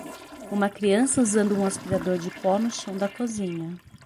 Uma criança usando um aspirador de pó no chão da cozinha.